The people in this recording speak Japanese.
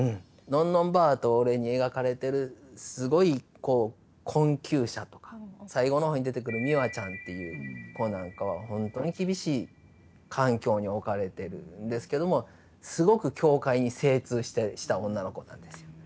「のんのんばあとオレ」に描かれてるすごいこう困窮者とか最後の方に出てくる美和ちゃんっていう子なんかはほんとに厳しい環境に置かれてるんですけどもすごく境界に精通した女の子なんですよ。